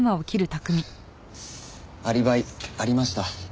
アリバイありました。